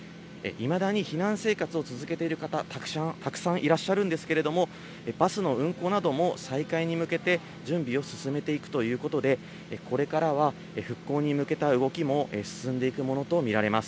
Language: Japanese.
いまだに避難生活を続けている方、たくさんいらっしゃるんですけれども、バスの運行なども再開に向けて、準備を進めていくということで、これからは復興に向けた動きも進んでいくものと見られます。